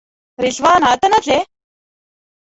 رضوانه ته نه ځې؟